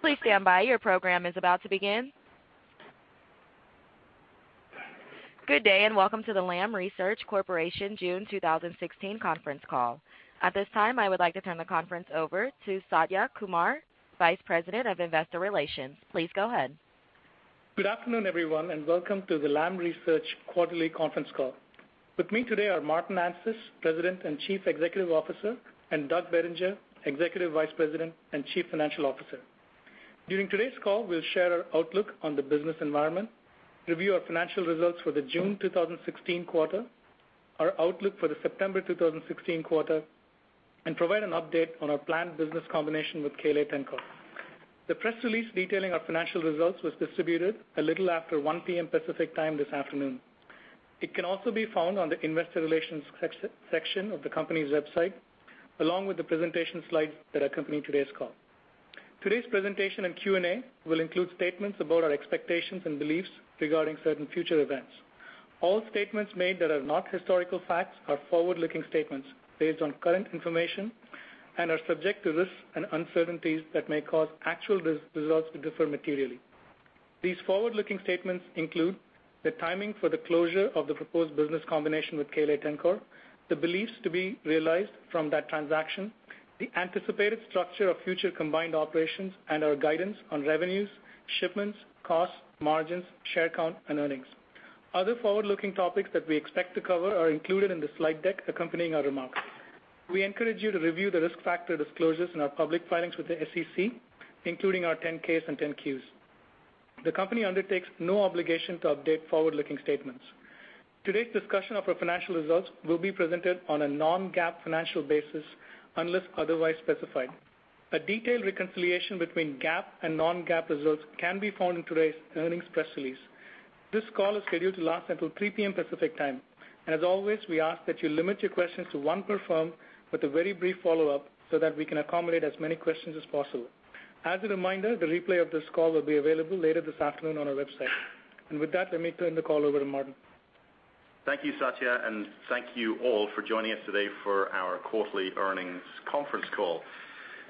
Please stand by. Your program is about to begin. Good day, and welcome to the Lam Research Corporation June 2016 conference call. At this time, I would like to turn the conference over to Satya Kumar, Vice President of Investor Relations. Please go ahead. Good afternoon, everyone, and welcome to the Lam Research quarterly conference call. With me today are Martin Anstice, President and Chief Executive Officer, and Doug Bettinger, Executive Vice President and Chief Financial Officer. During today's call, we'll share our outlook on the business environment, review our financial results for the June 2016 quarter, our outlook for the September 2016 quarter, and provide an update on our planned business combination with KLA-Tencor. The press release detailing our financial results was distributed a little after 1:00 P.M. Pacific Time this afternoon. It can also be found on the investor relations section of the company's website, along with the presentation slides that accompany today's call. Today's presentation and Q&A will include statements about our expectations and beliefs regarding certain future events. All statements made that are not historical facts are forward-looking statements based on current information and are subject to risks and uncertainties that may cause actual results to differ materially. These forward-looking statements include the timing for the closure of the proposed business combination with KLA-Tencor, the beliefs to be realized from that transaction, the anticipated structure of future combined operations, and our guidance on revenues, shipments, costs, margins, share count, and earnings. Other forward-looking topics that we expect to cover are included in the slide deck accompanying our remarks. We encourage you to review the risk factor disclosures in our public filings with the SEC, including our 10-Ks and 10-Qs. The company undertakes no obligation to update forward-looking statements. Today's discussion of our financial results will be presented on a non-GAAP financial basis unless otherwise specified. A detailed reconciliation between GAAP and non-GAAP results can be found in today's earnings press release. This call is scheduled to last until 3:00 P.M. Pacific Time. As always, we ask that you limit your questions to one per firm with a very brief follow-up so that we can accommodate as many questions as possible. As a reminder, the replay of this call will be available later this afternoon on our website. With that, let me turn the call over to Martin. Thank you, Satya, thank you all for joining us today for our quarterly earnings conference call.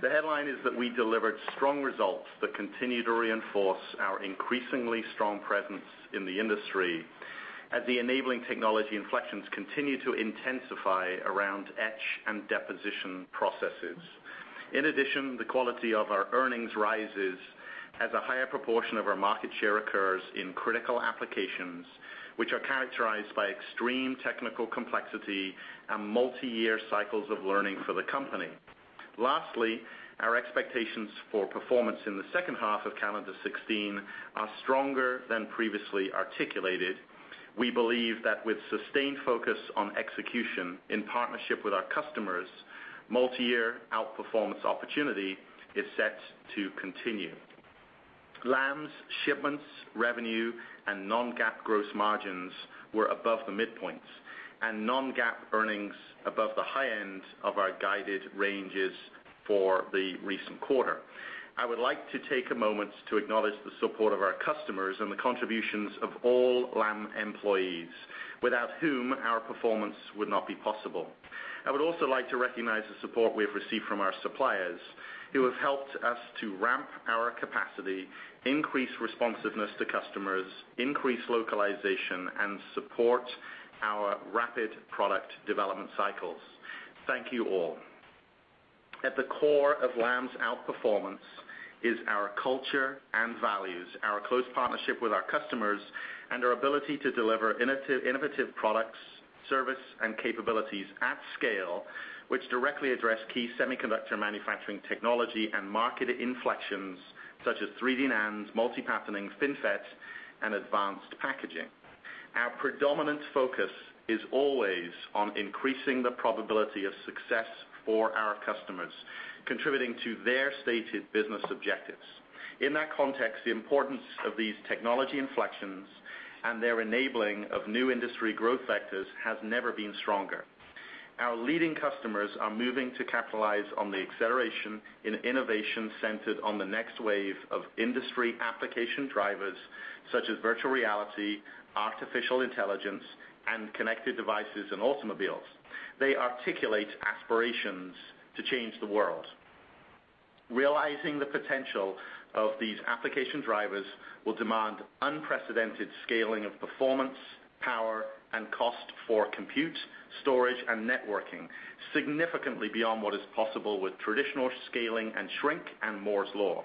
The headline is that we delivered strong results that continue to reinforce our increasingly strong presence in the industry as the enabling technology inflections continue to intensify around etch and deposition processes. In addition, the quality of our earnings rises as a higher proportion of our market share occurs in critical applications, which are characterized by extreme technical complexity and multiyear cycles of learning for the company. Lastly, our expectations for performance in the second half of calendar 2016 are stronger than previously articulated. We believe that with sustained focus on execution in partnership with our customers, multiyear outperformance opportunity is set to continue. Lam's shipments, revenue, and non-GAAP gross margins were above the midpoints, and non-GAAP earnings above the high end of our guided ranges for the recent quarter. I would like to take a moment to acknowledge the support of our customers and the contributions of all Lam employees, without whom our performance would not be possible. I would also like to recognize the support we have received from our suppliers, who have helped us to ramp our capacity, increase responsiveness to customers, increase localization, and support our rapid product development cycles. Thank you all. At the core of Lam's outperformance is our culture and values, our close partnership with our customers, and our ability to deliver innovative products, service, and capabilities at scale, which directly address key semiconductor manufacturing technology and market inflections such as 3D NAND, multi-patterning, FinFET, and advanced packaging. Our predominant focus is always on increasing the probability of success for our customers, contributing to their stated business objectives. In that context, the importance of these technology inflections and their enabling of new industry growth vectors has never been stronger. Our leading customers are moving to capitalize on the acceleration in innovation centered on the next wave of industry application drivers such as virtual reality, artificial intelligence, and connected devices and automobiles. They articulate aspirations to change the world. Realizing the potential of these application drivers will demand unprecedented scaling of performance, power, and cost for compute, storage, and networking, significantly beyond what is possible with traditional scaling and shrink and Moore's Law.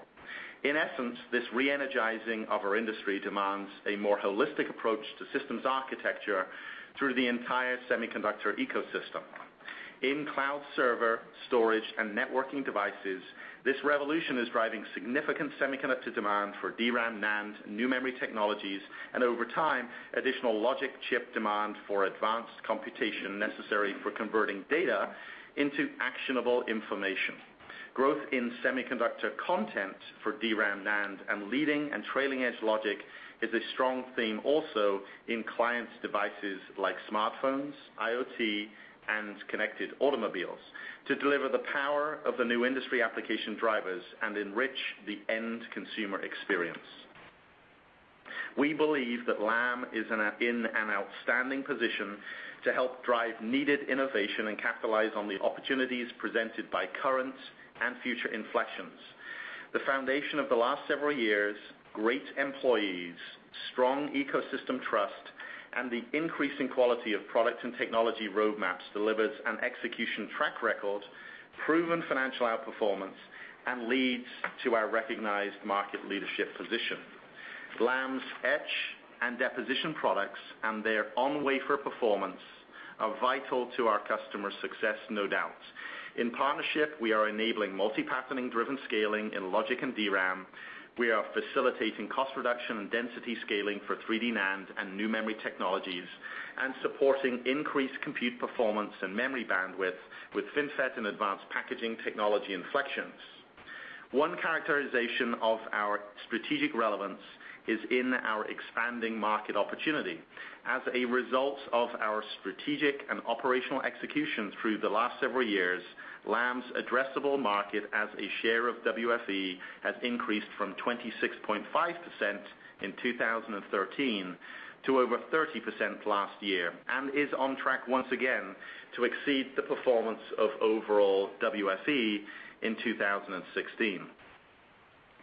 In essence, this re-energizing of our industry demands a more holistic approach to systems architecture through the entire semiconductor ecosystem. In cloud server, storage, and networking devices, this revolution is driving significant semiconductor demand for DRAM, NAND, new memory technologies, and over time, additional logic chip demand for advanced computation necessary for converting data into actionable information. Growth in semiconductor content for DRAM, NAND, and leading and trailing-edge logic is a strong theme also in clients' devices like smartphones, IoT, and connected automobiles to deliver the power of the new industry application drivers and enrich the end consumer experience. We believe that Lam is in an outstanding position to help drive needed innovation and capitalize on the opportunities presented by current and future inflections. The foundation of the last several years, great employees, strong ecosystem trust, and the increasing quality of product and technology roadmaps delivers an execution track record, proven financial outperformance, and leads to our recognized market leadership position. Lam's etch and deposition products and their on-wafer performance are vital to our customers' success, no doubt. In partnership, we are enabling multi-patterning driven scaling in logic and DRAM. We are facilitating cost reduction and density scaling for 3D NAND and new memory technologies, and supporting increased compute performance and memory bandwidth with FinFET and advanced packaging technology inflections. One characterization of our strategic relevance is in our expanding market opportunity. As a result of our strategic and operational execution through the last several years, Lam's addressable market as a share of WFE has increased from 26.5% in 2013 to over 30% last year, and is on track once again to exceed the performance of overall WFE in 2016.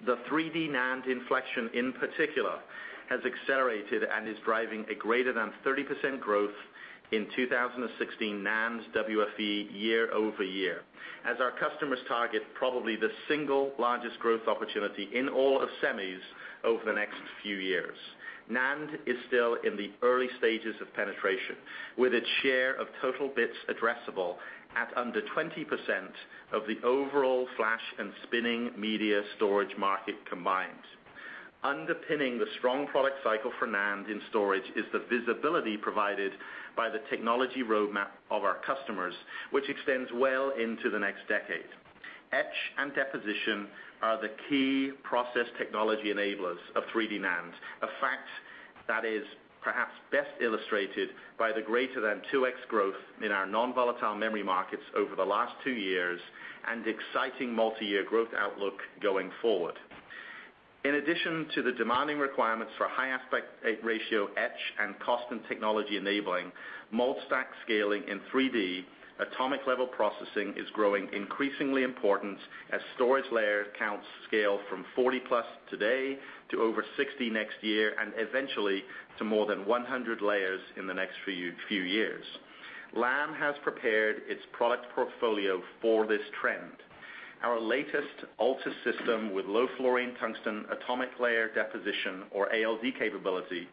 The 3D NAND inflection, in particular, has accelerated and is driving a greater than 30% growth in 2016 NAND WFE year-over-year. Our customers target probably the single largest growth opportunity in all of semis over the next few years. NAND is still in the early stages of penetration, with its share of total bits addressable at under 20% of the overall flash and spinning media storage market combined. Underpinning the strong product cycle for NAND in storage is the visibility provided by the technology roadmap of our customers, which extends well into the next decade. Etch and deposition are the key process technology enablers of 3D NAND, a fact that is perhaps best illustrated by the greater than 2x growth in our non-volatile memory markets over the last two years, and exciting multi-year growth outlook going forward. In addition to the demanding requirements for high aspect ratio etch and cost and technology enabling, multi-stack scaling in 3D, atomic-level processing is growing increasingly important as storage layer counts scale from 40+ today to over 60 next year, and eventually to more than 100 layers in the next few years. Lam has prepared its product portfolio for this trend. Our latest ALTUS system with low fluorine tungsten atomic layer deposition, or ALD capability,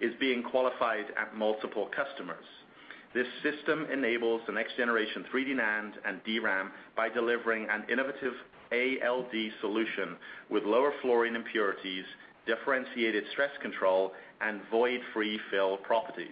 is being qualified at multiple customers. This system enables the next generation 3D NAND and DRAM by delivering an innovative ALD solution with lower fluorine impurities, differentiated stress control, and void-free fill properties.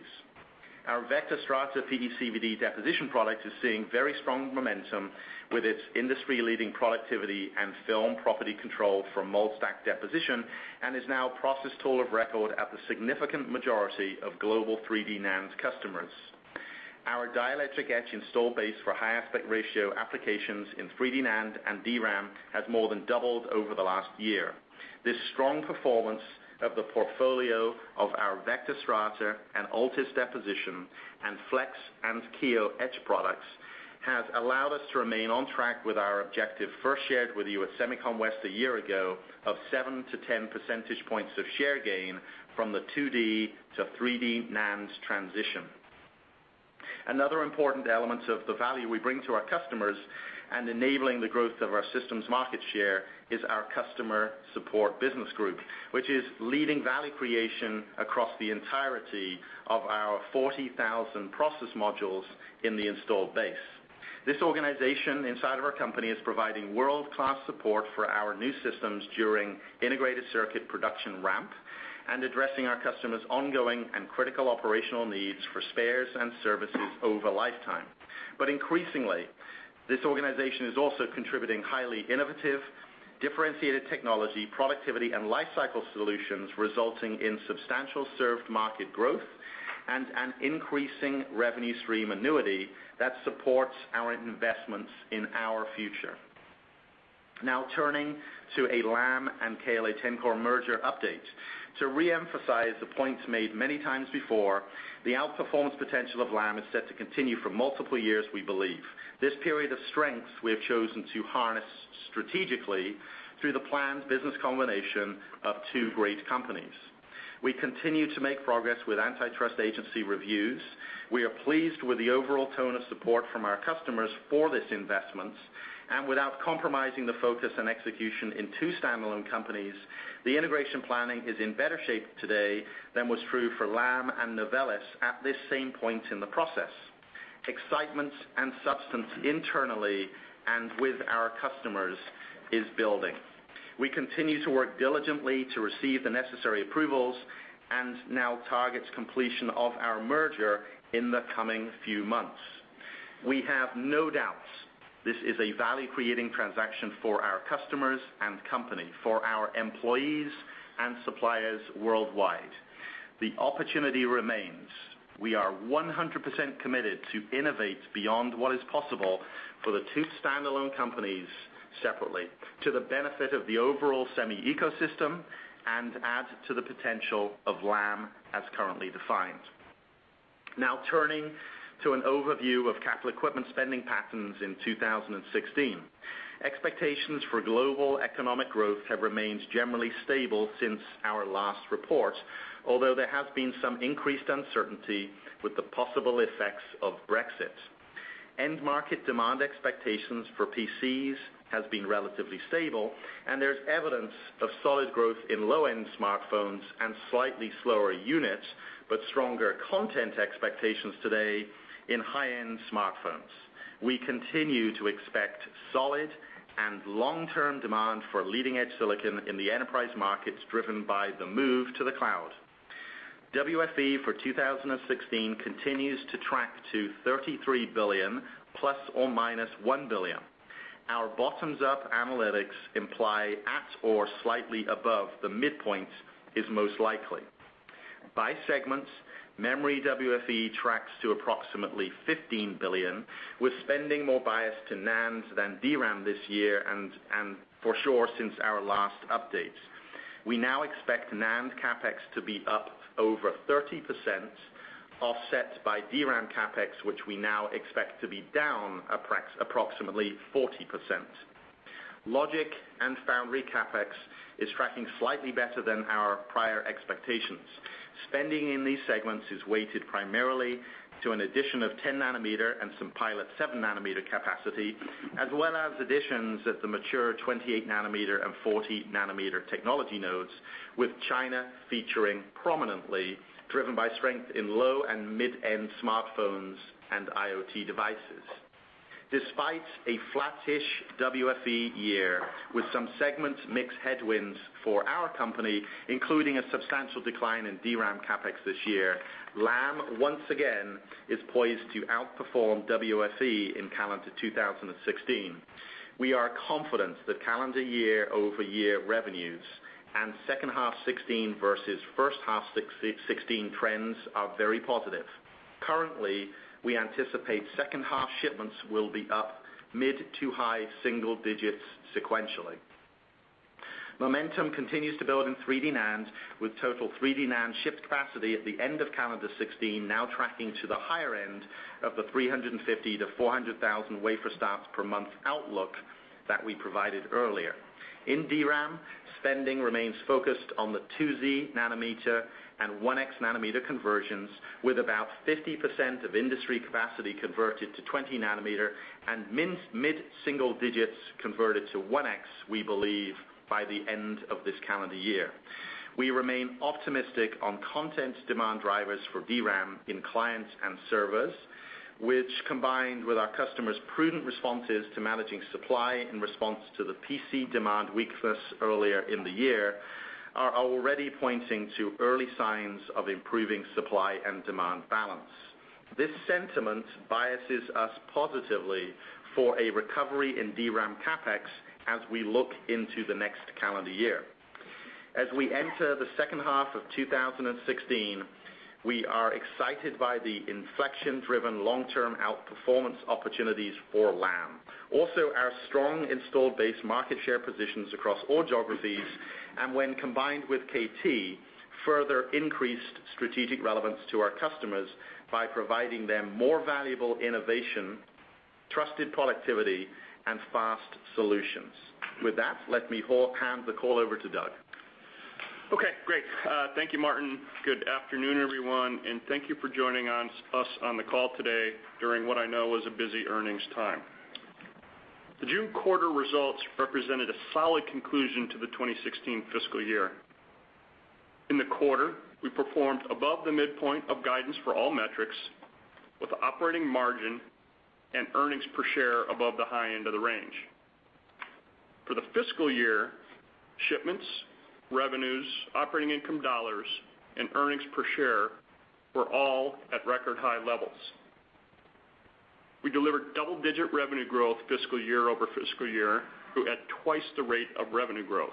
Our VECTOR Strata PECVD deposition product is seeing very strong momentum with its industry-leading productivity and film property control for multi-stack deposition, and is now process tool of record at the significant majority of global 3D NAND customers. Our dielectric etch install base for high aspect ratio applications in 3D NAND and DRAM has more than doubled over the last year. This strong performance of the portfolio of our VECTOR Strata and ALTUS deposition and Flex and Kiyo etch products has allowed us to remain on track with our objective, first shared with you at SEMICON West a year ago, of 7 to 10 percentage points of share gain from the 2D to 3D NAND transition. Another important element of the value we bring to our customers and enabling the growth of our systems market share is our customer support business group, which is leading value creation across the entirety of our 40,000 process modules in the installed base. This organization inside of our company is providing world-class support for our new systems during integrated circuit production ramp, and addressing our customers' ongoing and critical operational needs for spares and services over lifetime. But increasingly, this organization is also contributing highly innovative, differentiated technology, productivity, and lifecycle solutions, resulting in substantial served market growth and an increasing revenue stream annuity that supports our investments in our future. Now turning to a Lam and KLA-Tencor merger update. To reemphasize the points made many times before, the outperformance potential of Lam is set to continue for multiple years we believe. This period of strength we have chosen to harness strategically through the planned business combination of two great companies. We continue to make progress with antitrust agency reviews. We are pleased with the overall tone of support from our customers for this investment, and without compromising the focus on execution in two standalone companies, the integration planning is in better shape today than was true for Lam and Novellus at this same point in the process. Excitement and substance internally and with our customers is building. We continue to work diligently to receive the necessary approvals, and now target completion of our merger in the coming few months. We have no doubts this is a value-creating transaction for our customers and company, for our employees and suppliers worldwide. The opportunity remains. We are 100% committed to innovate beyond what is possible for the two standalone companies separately to the benefit of the overall semi ecosystem and add to the potential of Lam as currently defined. Now turning to an overview of capital equipment spending patterns in 2016. Expectations for global economic growth have remained generally stable since our last report, although there has been some increased uncertainty with the possible effects of Brexit. End market demand expectations for PCs has been relatively stable, and there's evidence of solid growth in low-end smartphones and slightly slower units, but stronger content expectations today in high-end smartphones. We continue to expect solid and long-term demand for leading-edge silicon in the enterprise markets driven by the move to the cloud. WFE for 2016 continues to track to $33 billion ±$1 billion. Our bottoms-up analytics imply at or slightly above the midpoint is most likely. By segments, memory WFE tracks to approximately $15 billion, with spending more bias to NAND than DRAM this year and for sure since our last updates. We now expect NAND CapEx to be up over 30%, offset by DRAM CapEx, which we now expect to be down approximately 40%. Logic and foundry CapEx is tracking slightly better than our prior expectations. Spending in these segments is weighted primarily to an addition of 10 nanometer and some pilot 7-nanometer capacity, as well as additions at the mature 28 nanometer and 40 nanometer technology nodes, with China featuring prominently, driven by strength in low and mid-end smartphones and IoT devices. Despite a flattish WFE year with some segments mix headwinds for our company, including a substantial decline in DRAM CapEx this year, Lam, once again, is poised to outperform WFE in calendar 2016. We are confident that calendar year-over-year revenues and second half 2016 versus first half 2016 trends are very positive. Currently, we anticipate second half shipments will be up mid to high single digits sequentially. Momentum continues to build in 3D NAND with total 3D NAND shipped capacity at the end of calendar 2016 now tracking to the higher end of the 350,000-400,000 wafer starts per month outlook that we provided earlier. In DRAM, spending remains focused on the 2z nanometer and 1x nanometer conversions, with about 50% of industry capacity converted to 20 nanometer and mid-single digits converted to 1x, we believe, by the end of this calendar year. We remain optimistic on content demand drivers for DRAM in clients and servers, which combined with our customers' prudent responses to managing supply in response to the PC demand weakness earlier in the year, are already pointing to early signs of improving supply and demand balance. This sentiment biases us positively for a recovery in DRAM CapEx as we look into the next calendar year. As we enter the second half of 2016, we are excited by the inflection-driven long-term outperformance opportunities for Lam. Our strong installed base market share positions across all geographies, and when combined with KT, further increased strategic relevance to our customers by providing them more valuable innovation, trusted productivity, and fast solutions. Let me hand the call over to Doug. Okay, great. Thank you, Martin. Good afternoon, everyone, and thank you for joining us on the call today during what I know is a busy earnings time. The June quarter results represented a solid conclusion to the 2016 fiscal year. In the quarter, we performed above the midpoint of guidance for all metrics, with operating margin and earnings per share above the high end of the range. For the fiscal year, shipments, revenues, operating income dollars, and earnings per share were all at record high levels. We delivered double-digit revenue growth fiscal year-over-fiscal year, grew at twice the rate of revenue growth.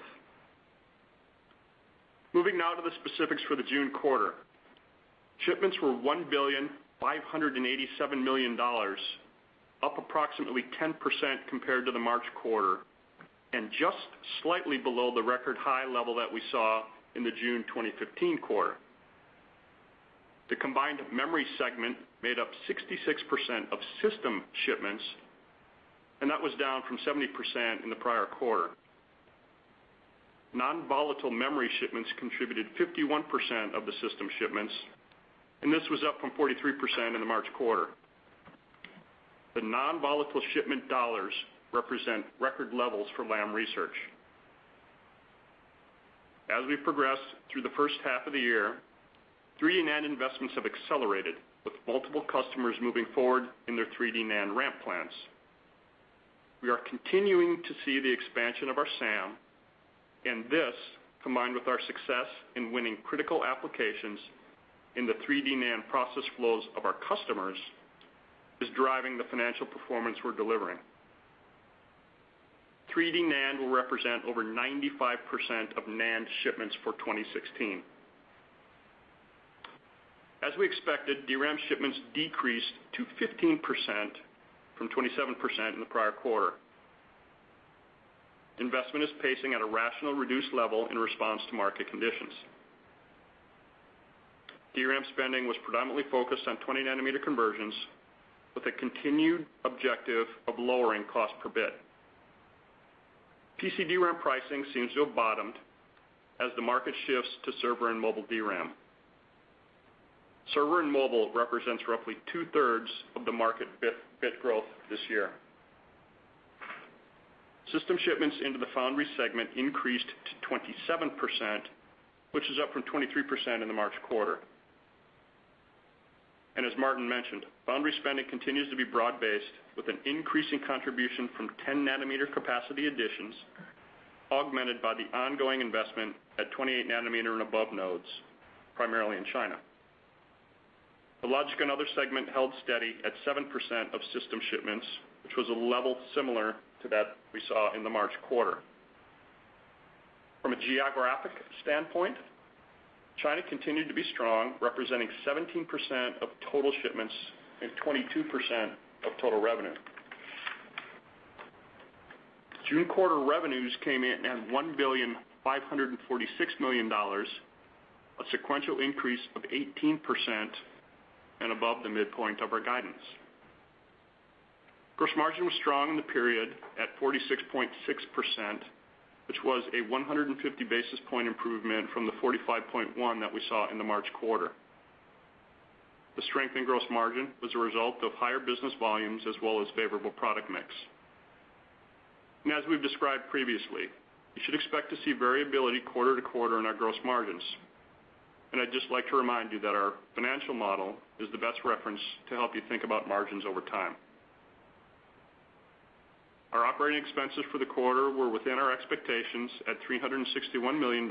Moving now to the specifics for the June quarter. Shipments were $1,587,000,000, up approximately 10% compared to the March quarter, and just slightly below the record high level that we saw in the June 2015 quarter. The combined memory segment made up 66% of system shipments, that was down from 70% in the prior quarter. Non-volatile memory shipments contributed 51% of the system shipments, this was up from 43% in the March quarter. The non-volatile shipment dollars represent record levels for Lam Research. As we progress through the first half of the year, 3D NAND investments have accelerated, with multiple customers moving forward in their 3D NAND ramp plans. We are continuing to see the expansion of our SAM, this, combined with our success in winning critical applications in the 3D NAND process flows of our customers, is driving the financial performance we're delivering. 3D NAND will represent over 95% of NAND shipments for 2016. As we expected, DRAM shipments decreased to 15% from 27% in the prior quarter. Investment is pacing at a rational reduced level in response to market conditions. DRAM spending was predominantly focused on 20 nanometer conversions with a continued objective of lowering cost per bit. PC DRAM pricing seems to have bottomed as the market shifts to server and mobile DRAM. Server and mobile represents roughly two-thirds of the market bit growth this year. System shipments into the foundry segment increased to 27%, which is up from 23% in the March quarter. As Martin mentioned, foundry spending continues to be broad-based with an increasing contribution from 10 nanometer capacity additions, augmented by the ongoing investment at 28 nanometer and above nodes, primarily in China. The logic and other segment held steady at 7% of system shipments, which was a level similar to that we saw in the March quarter. From a geographic standpoint, China continued to be strong, representing 17% of total shipments and 22% of total revenue. June quarter revenues came in at $1,546,000,000, a sequential increase of 18% and above the midpoint of our guidance. Gross margin was strong in the period at 46.6%, which was a 150-basis point improvement from the 45.1% that we saw in the March quarter. The strength in gross margin was a result of higher business volumes, as well as favorable product mix. As we've described previously, you should expect to see variability quarter to quarter in our gross margins, and I'd just like to remind you that our financial model is the best reference to help you think about margins over time. Our operating expenses for the quarter were within our expectations at $361 million,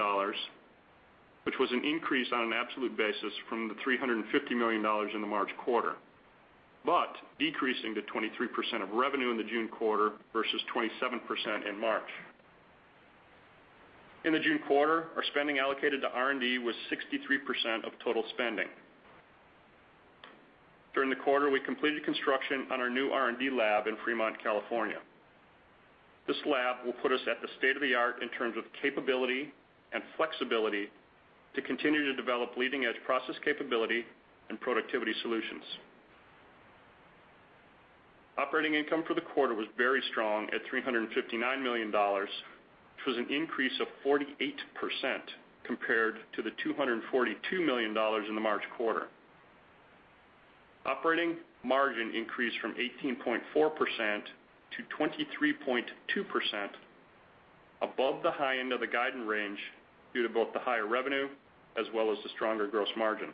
which was an increase on an absolute basis from the $350 million in the March quarter, but decreasing to 23% of revenue in the June quarter versus 27% in March. In the June quarter, our spending allocated to R&D was 63% of total spending. During the quarter, we completed construction on our new R&D lab in Fremont, California. This lab will put us at the state-of-the-art in terms of capability and flexibility to continue to develop leading-edge process capability and productivity solutions. Operating income for the quarter was very strong at $359 million, which was an increase of 48% compared to the $242 million in the March quarter. Operating margin increased from 18.4% to 23.2%, above the high end of the guidance range due to both the higher revenue as well as the stronger gross margin.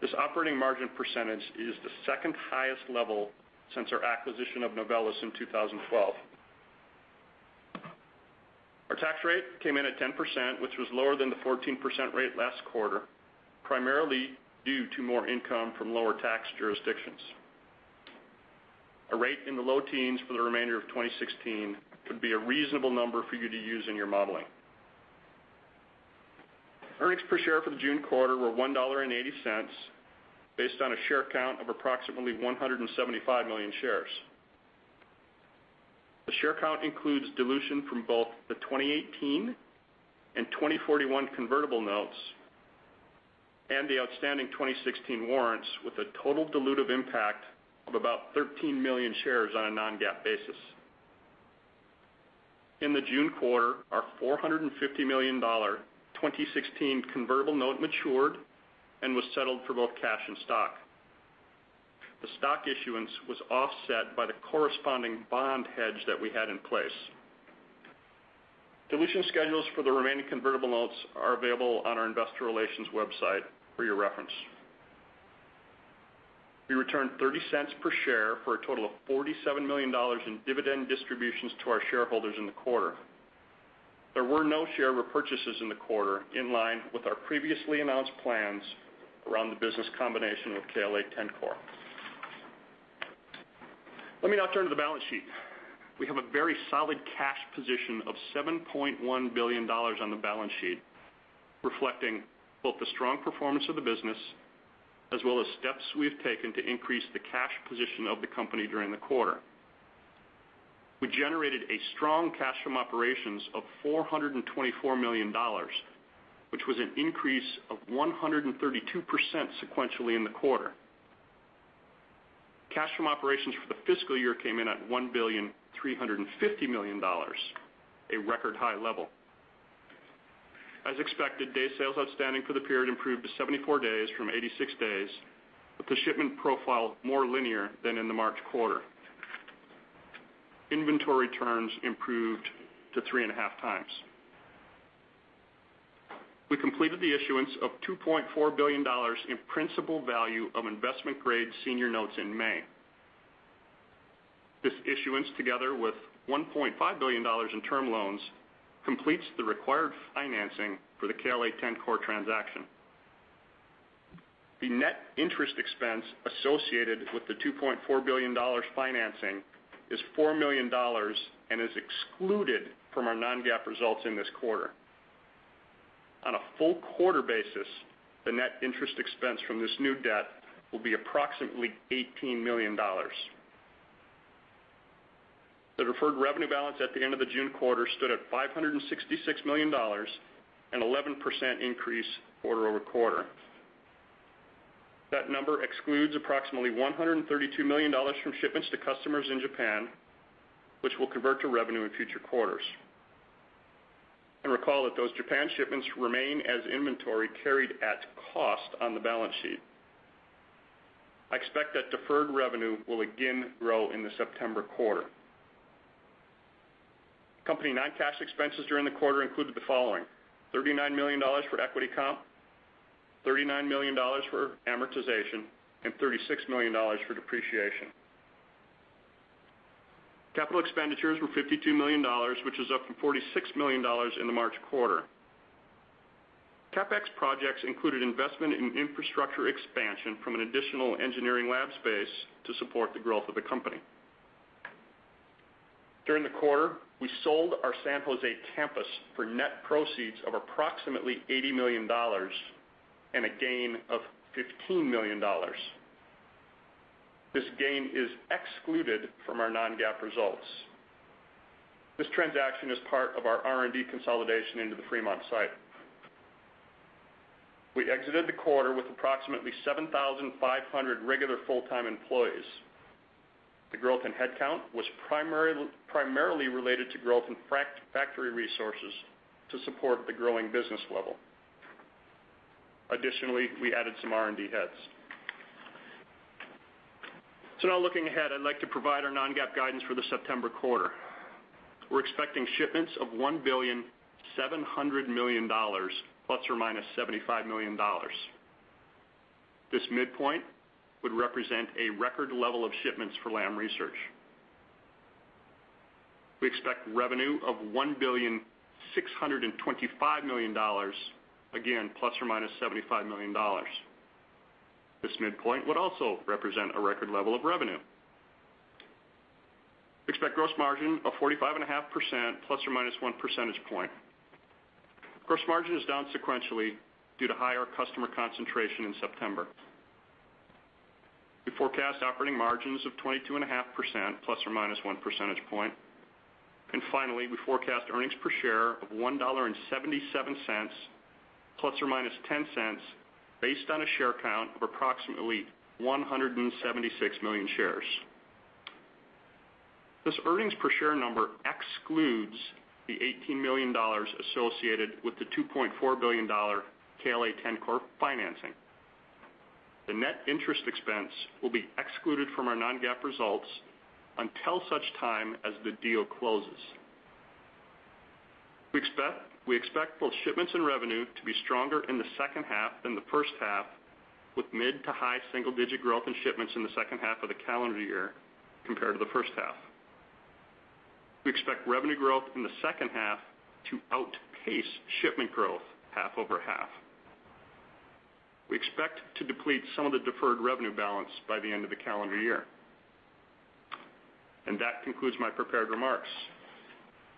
This operating margin percentage is the second highest level since our acquisition of Novellus in 2012. Our tax rate came in at 10%, which was lower than the 14% rate last quarter, primarily due to more income from lower tax jurisdictions. A rate in the low teens for the remainder of 2016 could be a reasonable number for you to use in your modeling. Earnings per share for the June quarter were $1.80, based on a share count of approximately 175 million shares. The share count includes dilution from both the 2018 and 2041 convertible notes and the outstanding 2016 warrants, with a total dilutive impact of about 13 million shares on a non-GAAP basis. In the June quarter, our $450 million 2016 convertible note matured and was settled for both cash and stock. The stock issuance was offset by the corresponding bond hedge that we had in place. Dilution schedules for the remaining convertible notes are available on our investor relations website for your reference. We returned $0.30 per share for a total of $47 million in dividend distributions to our shareholders in the quarter. There were no share repurchases in the quarter, in line with our previously announced plans around the business combination with KLA-Tencor. Let me now turn to the balance sheet. We have a very solid cash position of $7.1 billion on the balance sheet, reflecting both the strong performance of the business as well as steps we've taken to increase the cash position of the company during the quarter. We generated a strong cash from operations of $424 million, which was an increase of 132% sequentially in the quarter. Cash from operations for the fiscal year came in at $1,350,000,000, a record high level. As expected, day sales outstanding for the period improved to 74 days from 86 days, with the shipment profile more linear than in the March quarter. Inventory turns improved to three and a half times. We completed the issuance of $2.4 billion in principal value of investment-grade senior notes in May. This issuance, together with $1.5 billion in term loans, completes the required financing for the KLA-Tencor transaction. The net interest expense associated with the $2.4 billion financing is $4 million and is excluded from our non-GAAP results in this quarter. On a full-quarter basis, the net interest expense from this new debt will be approximately $18 million. The deferred revenue balance at the end of the June quarter stood at $566 million, an 11% increase quarter-over-quarter. That number excludes approximately $132 million from shipments to customers in Japan, which will convert to revenue in future quarters. And recall that those Japan shipments remain as inventory carried at cost on the balance sheet. I expect that deferred revenue will again grow in the September quarter. Company non-cash expenses during the quarter included the following: $39 million for equity comp, $39 million for amortization, and $36 million for depreciation. Capital expenditures were $52 million, which is up from $46 million in the March quarter. CapEx projects included investment in infrastructure expansion from an additional engineering lab space to support the growth of the company. During the quarter, we sold our San Jose campus for net proceeds of approximately $80 million and a gain of $15 million. This gain is excluded from our non-GAAP results. This transaction is part of our R&D consolidation into the Fremont site. We exited the quarter with approximately 7,500 regular full-time employees. The growth in headcount was primarily related to growth in factory resources to support the growing business level. Additionally, we added some R&D heads. Now looking ahead, I'd like to provide our non-GAAP guidance for the September quarter. We're expecting shipments of $1.7 billion, ±$75 million. This midpoint would represent a record level of shipments for Lam Research. We expect revenue of $1.625 billion, again, ±$75 million. This midpoint would also represent a record level of revenue. Expect gross margin of 45.5%, ± one percentage point. Gross margin is down sequentially due to higher customer concentration in September. We forecast operating margins of 22.5%, ± one percentage point. And finally, we forecast earnings per share of $1.77, ±$0.10, based on a share count of approximately 176 million shares. This earnings per share number excludes the $18 million associated with the $2.4 billion KLA-Tencor financing. The net interest expense will be excluded from our non-GAAP results until such time as the deal closes. We expect both shipments and revenue to be stronger in the second half than the first half, with mid-to-high single-digit growth in shipments in the second half of the calendar year compared to the first half. We expect revenue growth in the second half to outpace shipment growth half over half. We expect to deplete some of the deferred revenue balance by the end of the calendar year. That concludes my prepared remarks.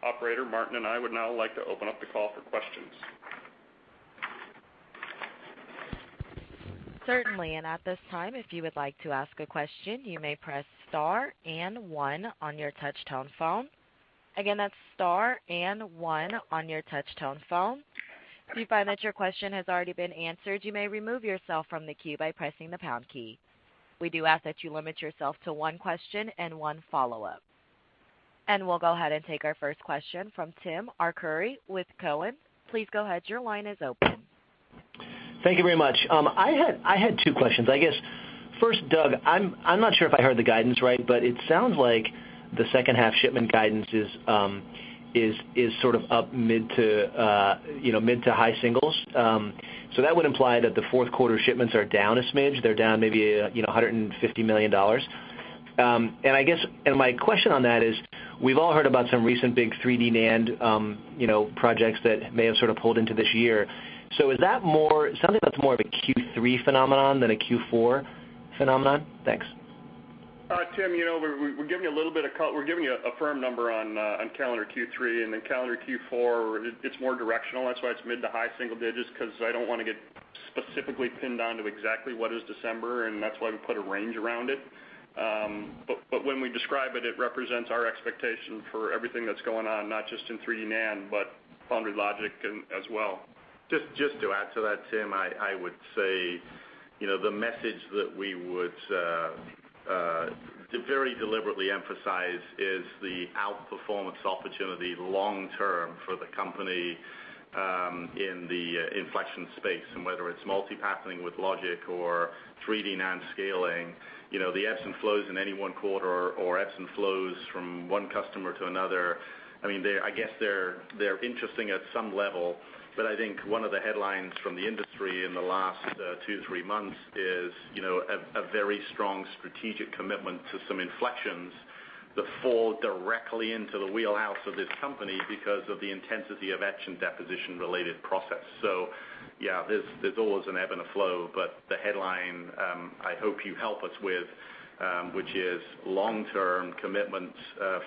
Operator, Martin and I would now like to open up the call for questions. Certainly. At this time, if you would like to ask a question, you may press star and one on your touch-tone phone. Again, that's star and one on your touch-tone phone. If you find that your question has already been answered, you may remove yourself from the queue by pressing the pound key. We do ask that you limit yourself to one question and one follow-up. We'll go ahead and take our first question from Tim Arcuri with Cowen. Please go ahead, your line is open. Thank you very much. I had two questions. I guess, first, Doug, I'm not sure if I heard the guidance right, but it sounds like the second half shipment guidance is sort of up mid to high singles. That would imply that the fourth quarter shipments are down a smidge. They're down maybe $150 million. My question on that is, we've all heard about some recent big 3D NAND projects that may have sort of pulled into this year. It sounds like that's more of a Q3 phenomenon than a Q4 phenomenon? Thanks. Tim, we're giving you a firm number on calendar Q3, calendar Q4, it's more directional. That's why it's mid to high single digits, because I don't want to get specifically pinned down to exactly what is December, and that's why we put a range around it. When we describe it represents our expectation for everything that's going on, not just in 3D NAND, but foundry logic as well. Just to add to that, Tim, I would say the message that we would very deliberately emphasize is the outperformance opportunity long-term for the company in the inflection space, whether it's multi-patterning with logic or 3D NAND scaling. The ebbs and flows in any one quarter or ebbs and flows from one customer to another, I guess they're interesting at some level, but I think one of the headlines from the industry in the last two to three months is, you know, a very strong strategic commitment to some inflections that fall directly into the wheelhouse of this company because of the intensity of etch and deposition related process. Yeah, there's always an ebb and a flow, but the headline I hope you help us with, which is long-term commitments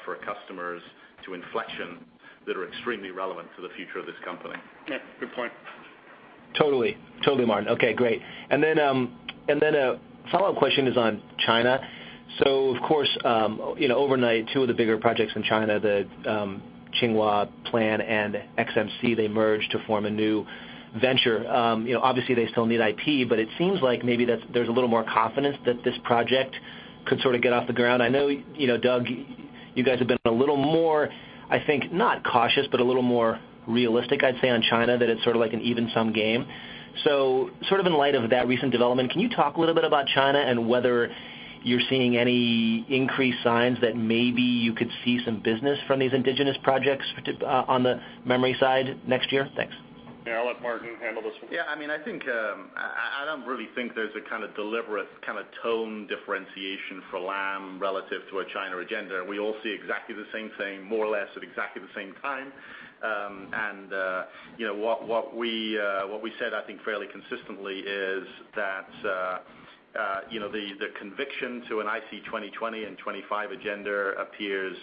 for customers to inflection that are extremely relevant to the future of this company. Yeah, good point. Totally, Martin. Okay, great. Then a follow-up question is on China. Of course, overnight, two of the bigger projects in China, the Tsinghua plan and XMC, they merged to form a new venture. Obviously, they still need IP, but it seems like maybe there's a little more confidence that this project could sort of get off the ground. I know, Doug, you guys have been a little more, I think, not cautious, but a little more realistic, I'd say, on China, that it's sort of like an even sum game. Sort of in light of that recent development, can you talk a little bit about China and whether you're seeing any increased signs that maybe you could see some business from these indigenous projects on the memory side next year? Thanks. Yeah, I'll let Martin handle this one. Yeah, I don't really think there's a kind of deliberate kind of tone differentiation for Lam relative to a China agenda. We all see exactly the same thing, more or less at exactly the same time. What we said, I think, fairly consistently is that the conviction to an IC 2020 and 2025 agenda appears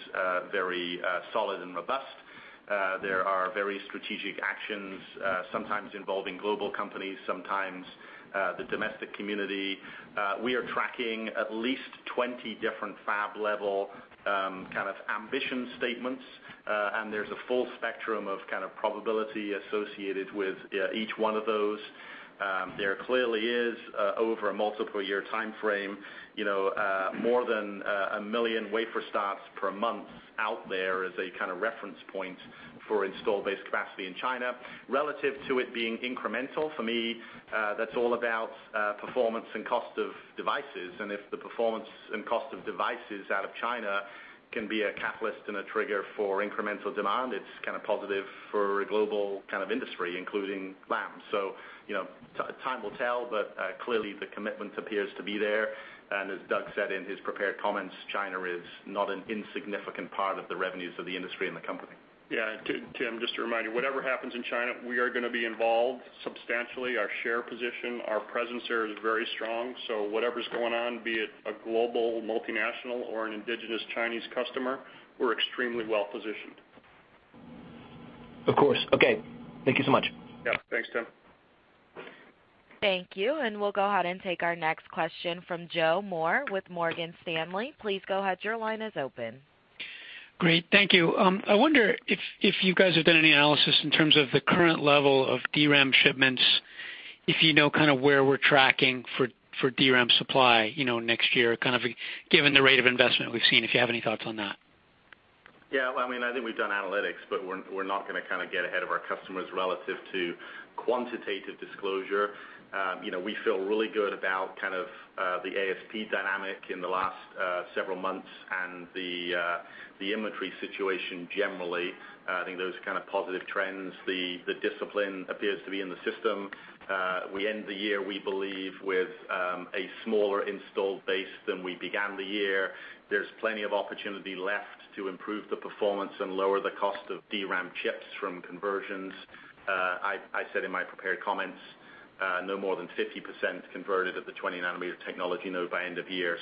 very solid and robust. There are very strategic actions, sometimes involving global companies, sometimes the domestic community. We are tracking at least 20 different fab level kind of ambition statements, and there's a full spectrum of kind of probability associated with each one of those. There clearly is, over a multiple year timeframe, more than 1 million wafer starts per month out there as a kind of reference point for install-based capacity in China. Relative to it being incremental, for me, that's all about performance and cost of devices. If the performance and cost of devices out of China can be a catalyst and a trigger for incremental demand, it's kind of positive for a global kind of industry, including Lam. Time will tell, but clearly the commitment appears to be there, and as Doug said in his prepared comments, China is not an insignificant part of the revenues of the industry and the company. Yeah. Tim, just to remind you, whatever happens in China, we are going to be involved substantially. Our share position, our presence there is very strong. Whatever's going on, be it a global multinational or an indigenous Chinese customer, we're extremely well-positioned. Of course. Okay. Thank you so much. Yeah. Thanks, Tim. Thank you. We'll go ahead and take our next question from Joe Moore with Morgan Stanley. Please go ahead. Your line is open. Great. Thank you. I wonder if you guys have done any analysis in terms of the current level of DRAM shipments, if you know kind of where we're tracking for DRAM supply next year, kind of given the rate of investment we've seen, if you have any thoughts on that. Yeah. I think we've done analytics, we're not going to kind of get ahead of our customers relative to quantitative disclosure. We feel really good about kind of the ASP dynamic in the last several months and the inventory situation generally. I think those kind of positive trends, the discipline appears to be in the system. We end the year, we believe, with a smaller installed base than we began the year. There's plenty of opportunity left to improve the performance and lower the cost of DRAM chips from conversions. I said in my prepared comments no more than 50% converted at the 20 nanometer technology node by end of year.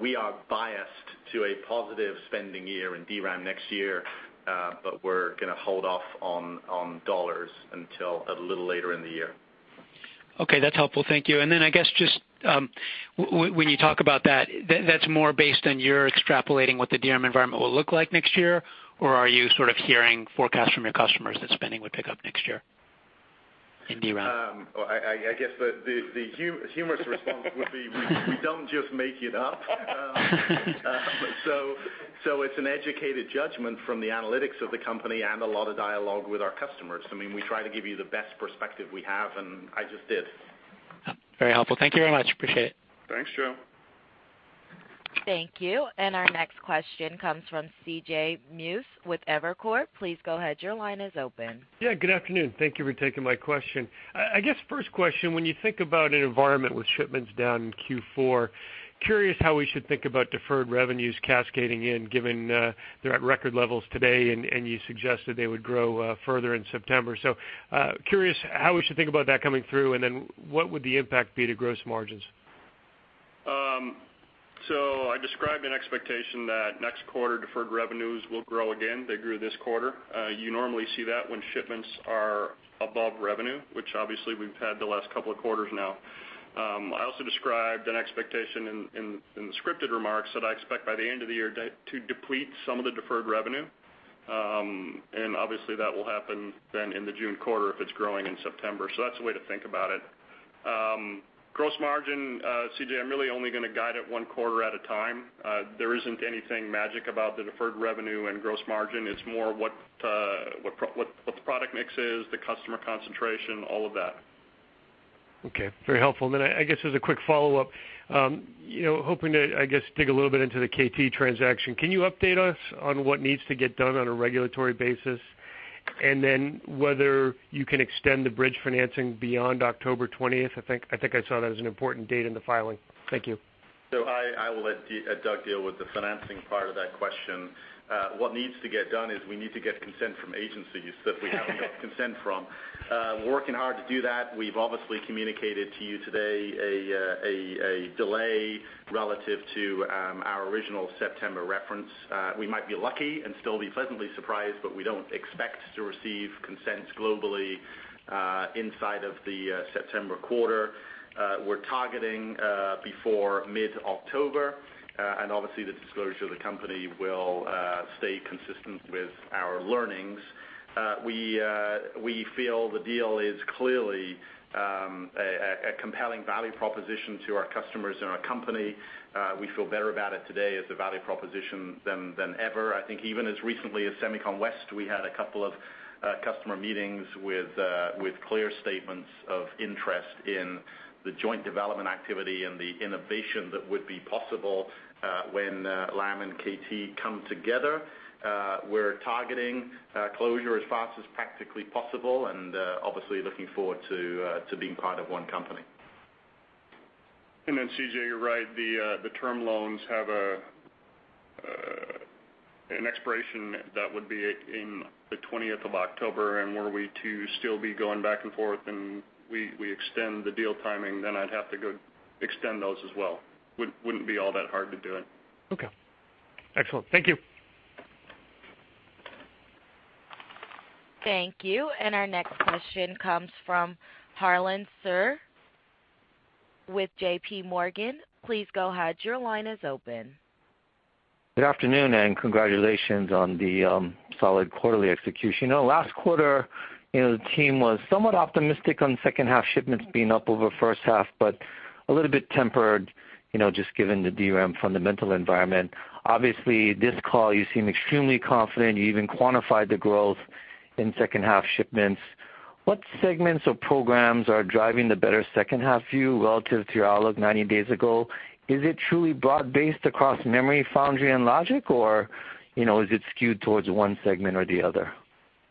We are biased to a positive spending year in DRAM next year, we're going to hold off on dollars until a little later in the year. Okay. That's helpful. Thank you. I guess just when you talk about that's more based on your extrapolating what the DRAM environment will look like next year, or are you sort of hearing forecasts from your customers that spending would pick up next year in DRAM? I guess the humorous response would be we don't just make it up. It's an educated judgment from the analytics of the company and a lot of dialogue with our customers. We try to give you the best perspective we have, and I just did. Very helpful. Thank you very much. Appreciate it. Thanks, Joe. Thank you. Our next question comes from C.J. Muse with Evercore. Please go ahead. Your line is open. Yeah, good afternoon. Thank you for taking my question. I guess first question, when you think about an environment with shipments down in Q4, curious how we should think about deferred revenues cascading in, given they're at record levels today, and you suggested they would grow further in September. Curious how we should think about that coming through, and then what would the impact be to gross margins? I described an expectation that next quarter, deferred revenues will grow again. They grew this quarter. You normally see that when shipments are above revenue, which obviously we've had the last couple of quarters now. I also described an expectation in the scripted remarks that I expect by the end of the year to deplete some of the deferred revenue, and obviously that will happen then in the June quarter if it's growing in September. That's a way to think about it. Gross margin, C.J., I'm really only going to guide it one quarter at a time. There isn't anything magic about the deferred revenue and gross margin. It's more what the product mix is, the customer concentration, all of that. Okay. Very helpful. I guess as a quick follow-up, hoping to, I guess, dig a little bit into the KT transaction. Can you update us on what needs to get done on a regulatory basis? Whether you can extend the bridge financing beyond October 20th, I think I saw that as an important date in the filing. Thank you. I will let Doug deal with the financing part of that question. What needs to get done is we need to get consent from agencies that we haven't got consent from. We're working hard to do that. We've obviously communicated to you today a delay relative to our original September reference. We might be lucky and still be pleasantly surprised, but we don't expect to receive consents globally inside of the September quarter. We're targeting before mid-October, and obviously the disclosure of the company will stay consistent with our learnings. We feel the deal is clearly a compelling value proposition to our customers and our company. We feel better about it today as a value proposition than ever. I think even as recently as SEMICON West, we had a couple of customer meetings with clear statements of interest in the joint development activity and the innovation that would be possible when Lam and K.T. come together. We're targeting closure as fast as practically possible, and obviously looking forward to being part of one company. C.J., you're right, the term loans have an expiration that would be in the 20th of October, and were we to still be going back and forth and we extend the deal timing, then I'd have to go extend those as well. Wouldn't be all that hard to do it. Okay. Excellent. Thank you. Thank you. Our next question comes from Harlan Sur with J.P. Morgan. Please go ahead. Your line is open. Good afternoon, congratulations on the solid quarterly execution. Last quarter, the team was somewhat optimistic on second half shipments being up over first half, but a little bit tempered, just given the DRAM fundamental environment. Obviously, this call, you seem extremely confident. You even quantified the growth in second half shipments. What segments or programs are driving the better second half view relative to your outlook 90 days ago? Is it truly broad-based across memory, foundry, and logic, or is it skewed towards one segment or the other?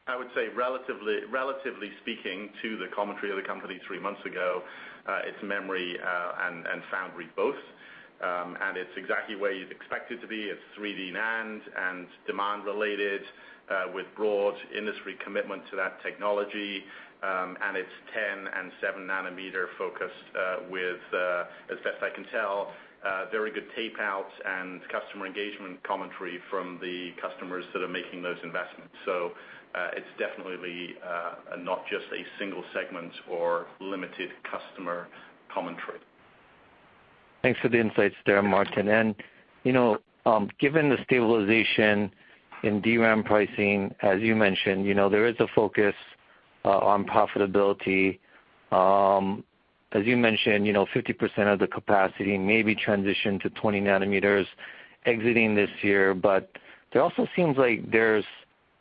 I would say relatively speaking to the commentary of the company three months ago, it's memory and foundry both. It's exactly where you'd expect it to be. It's 3D NAND and demand related with broad industry commitment to that technology, and it's 10 and seven nanometer focused with, as best I can tell, very good tape-outs and customer engagement commentary from the customers that are making those investments. It's definitely not just a single segment or limited customer commentary. Thanks for the insights there, Martin. Given the stabilization in DRAM pricing, as you mentioned, there is a focus on profitability. As you mentioned, 50% of the capacity may be transitioned to 20 nanometers exiting this year, there also seems like there's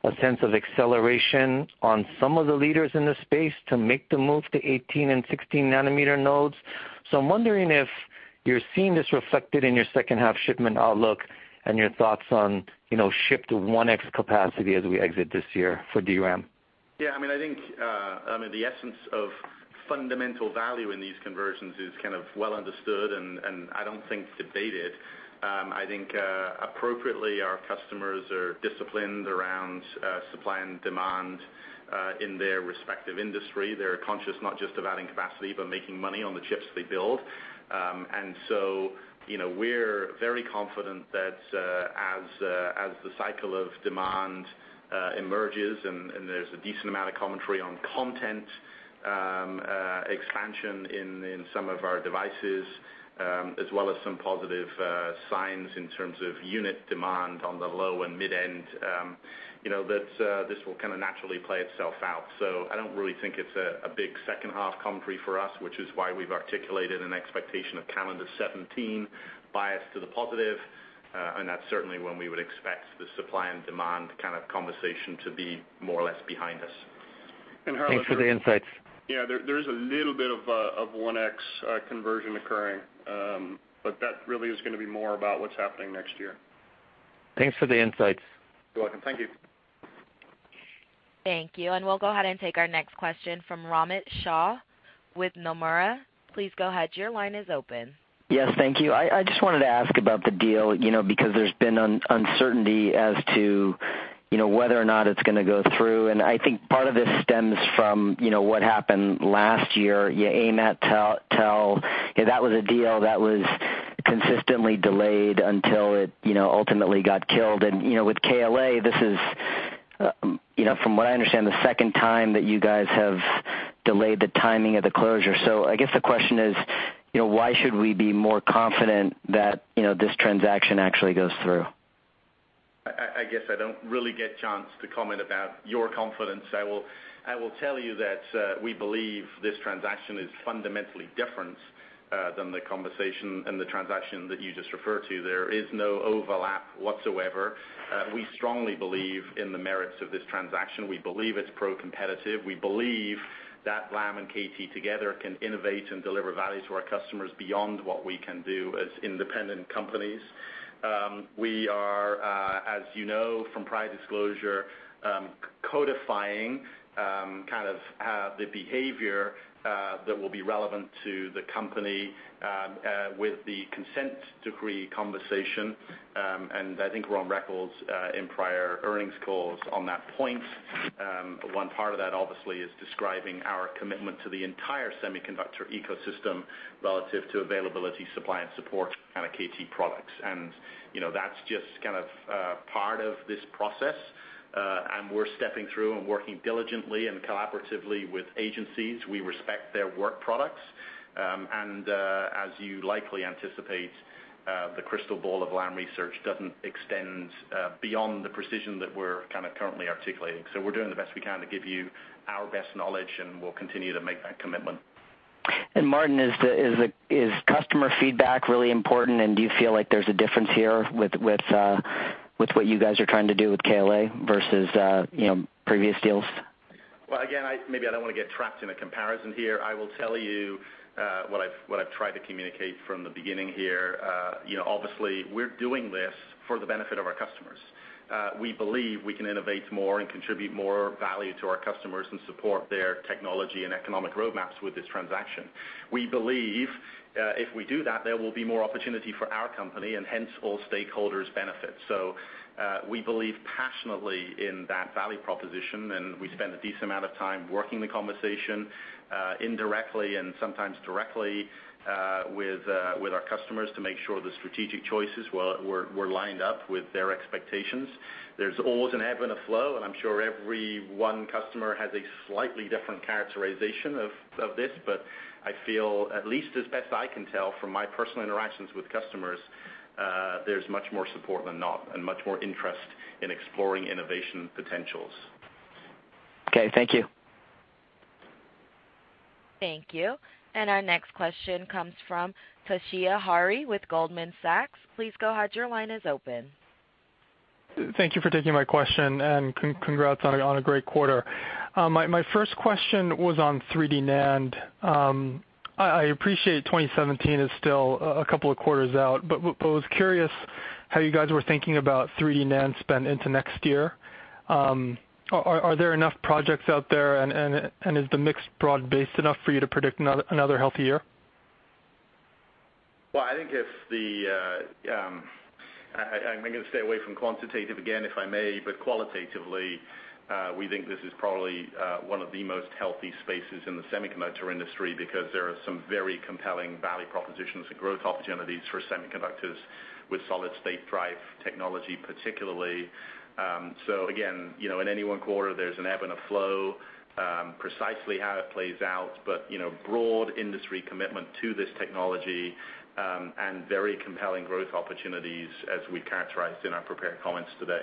a sense of acceleration on some of the leaders in this space to make the move to 18 and 16 nanometer nodes. I'm wondering if you're seeing this reflected in your second half shipment outlook and your thoughts on shipped 1X capacity as we exit this year for DRAM. Yeah, I think, the essence of fundamental value in these conversions is kind of well understood and I don't think debated. I think appropriately our customers are disciplined around supply and demand in their respective industry. They're conscious not just of adding capacity, but making money on the chips they build. We're very confident that as the cycle of demand emerges and there's a decent amount of commentary on content expansion in some of our devices, as well as some positive signs in terms of unit demand on the low and mid end, that this will kind of naturally play itself out. I don't really think it's a big second half commentary for us, which is why we've articulated an expectation of calendar 2017 biased to the positive. That's certainly when we would expect the supply and demand kind of conversation to be more or less behind us. Harlan- Thanks for the insights. Yeah, there is a little bit of 1x conversion occurring. That really is gonna be more about what's happening next year. Thanks for the insights. You're welcome. Thank you. Thank you. We'll go ahead and take our next question from Romit Shah with Nomura. Please go ahead. Your line is open. Yes, thank you. I just wanted to ask about the deal, because there's been uncertainty as to whether or not it's gonna go through. I think part of this stems from what happened last year. Applied Materials-Tokyo Electron. That was a deal that was consistently delayed until it ultimately got killed. With KLA, this is, from what I understand, the second time that you guys have delayed the timing of the closure. I guess the question is: Why should we be more confident that this transaction actually goes through? I guess I don't really get a chance to comment about your confidence. I will tell you that we believe this transaction is fundamentally different than the conversation and the transaction that you just referred to. There is no overlap whatsoever. We strongly believe in the merits of this transaction. We believe it's pro-competitive. We believe that Lam and K.T. together can innovate and deliver value to our customers beyond what we can do as independent companies. As you know from prior disclosure, codifying the behavior that will be relevant to the company with the consent decree conversation, and I think we're on records in prior earnings calls on that point. One part of that obviously is describing our commitment to the entire semiconductor ecosystem relative to availability, supply, and support kind of KT products. That's just part of this process, and we're stepping through and working diligently and collaboratively with agencies. We respect their work products. As you likely anticipate, the crystal ball of Lam Research doesn't extend beyond the precision that we're currently articulating. We're doing the best we can to give you our best knowledge, and we'll continue to make that commitment. Martin, is customer feedback really important, and do you feel like there's a difference here with what you guys are trying to do with KLA versus previous deals? Well, again, maybe I don't want to get trapped in a comparison here. I will tell you what I've tried to communicate from the beginning here. Obviously, we're doing this for the benefit of our customers. We believe we can innovate more and contribute more value to our customers and support their technology and economic roadmaps with this transaction. We believe, if we do that, there will be more opportunity for our company, and hence all stakeholders benefit. We believe passionately in that value proposition, and we spend a decent amount of time working the conversation, indirectly and sometimes directly, with our customers to make sure the strategic choices were lined up with their expectations. There's always an ebb and a flow, and I'm sure every one customer has a slightly different characterization of this, but I feel at least as best I can tell from my personal interactions with customers, there's much more support than not and much more interest in exploring innovation potentials. Okay, thank you. Thank you. Our next question comes from Toshiya Hari with Goldman Sachs. Please go ahead. Your line is open. Thank you for taking my question, congrats on a great quarter. My first question was on 3D NAND. I appreciate 2017 is still a couple of quarters out, but was curious how you guys were thinking about 3D NAND spend into next year. Are there enough projects out there, and is the mix broad-based enough for you to predict another healthy year? Well, I'm going to stay away from quantitative again, if I may, qualitatively, we think this is probably one of the most healthy spaces in the semiconductor industry because there are some very compelling value propositions and growth opportunities for semiconductors with solid-state drive technology, particularly. Again, in any one quarter, there's an ebb and a flow, precisely how it plays out, but broad industry commitment to this technology, and very compelling growth opportunities as we characterized in our prepared comments today.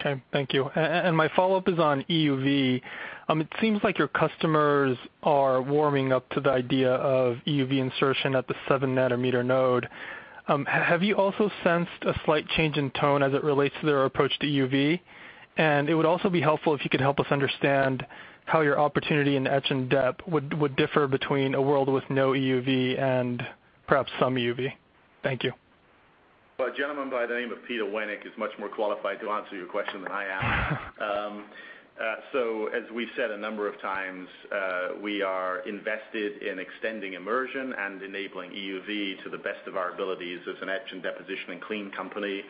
Okay, thank you. My follow-up is on EUV. It seems like your customers are warming up to the idea of EUV insertion at the seven nanometer node. Have you also sensed a slight change in tone as it relates to their approach to EUV? It would also be helpful if you could help us understand how your opportunity in etch and dep would differ between a world with no EUV and perhaps some EUV. Thank you. Well, a gentleman by the name of Peter Wennink is much more qualified to answer your question than I am. As we've said a number of times, we are invested in extending immersion and enabling EUV to the best of our abilities as an etch and deposition and clean company.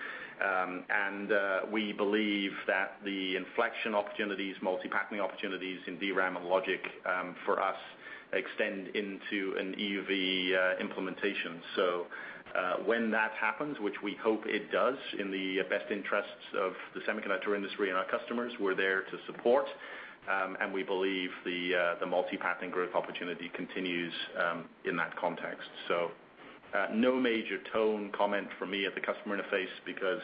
We believe that the inflection opportunities, multi-patterning opportunities in DRAM and logic, for us, extend into an EUV implementation. When that happens, which we hope it does in the best interests of the semiconductor industry and our customers, we're there to support, and we believe the multi-patterning growth opportunity continues in that context. No major tone comment from me at the customer interface because,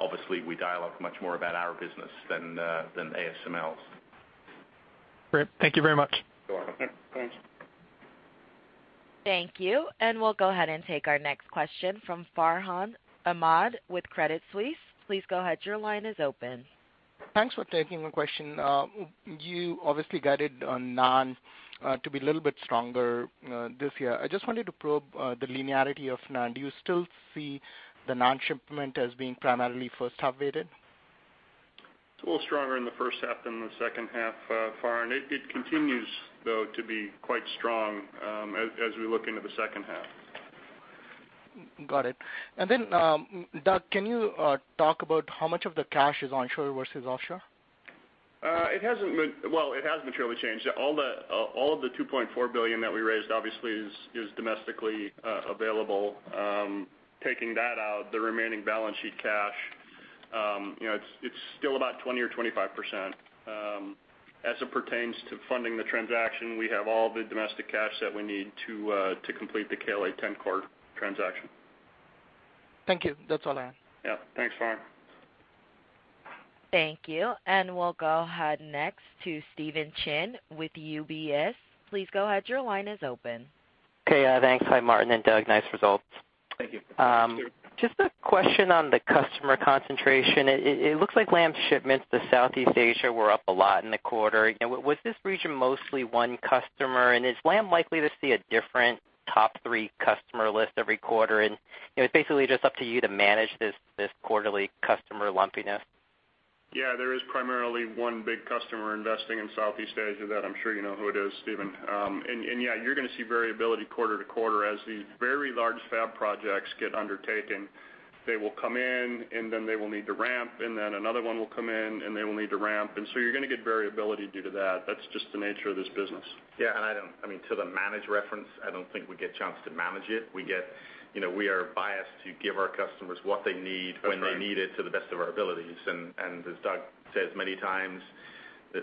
obviously, we dialogue much more about our business than ASML's. Great. Thank you very much. You're welcome. Thank you. We'll go ahead and take our next question from Farhan Ahmad with Credit Suisse. Please go ahead. Your line is open. Thanks for taking the question. You obviously guided on NAND to be a little bit stronger this year. I just wanted to probe the linearity of NAND. Do you still see the NAND shipment as being primarily first half-weighted? It's a little stronger in the first half than the second half, Farhan. It continues, though, to be quite strong as we look into the second half. Got it. Then, Doug, can you talk about how much of the cash is onshore versus offshore? Well, it has materially changed. All of the $2.4 billion that we raised obviously is domestically available. Taking that out, the remaining balance sheet cash, it's still about 20% or 25%. As it pertains to funding the transaction, we have all the domestic cash that we need to complete the KLA 10-Q transaction. Thank you. That's all I have. Yeah. Thanks, Farhan. Thank you. We'll go ahead next to Stephen Chin with UBS. Please go ahead. Your line is open. Okay, thanks. Hi, Martin and Doug, nice results. Thank you. Just a question on the customer concentration. It looks like Lam shipments to Southeast Asia were up a lot in the quarter. Was this region mostly one customer, and is Lam likely to see a different top three customer list every quarter, and it's basically just up to you to manage this quarterly customer lumpiness? Yeah, there is primarily one big customer investing in Southeast Asia that I'm sure you know who it is, Stephen. Yeah, you're going to see variability quarter-to-quarter. As these very large fab projects get undertaken, they will come in, then they will need to ramp, then another one will come in, and they will need to ramp, so you're going to get variability due to that. That's just the nature of this business. Yeah, to the manage reference, I don't think we get a chance to manage it. We are biased to give our customers what they need. That's right When they need it to the best of our abilities. As Doug says many times,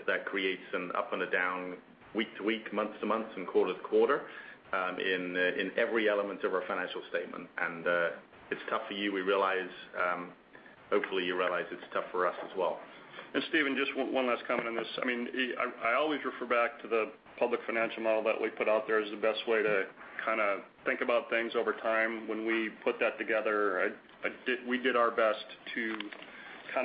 that creates an up and a down week to week, month to month, and quarter to quarter, in every element of our financial statement. It's tough for you, we realize. Hopefully you realize it's tough for us as well. Stephen, just one last comment on this. I always refer back to the public financial model that we put out there as the best way to think about things over time. When we put that together, we did our best to